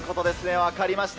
分かりました。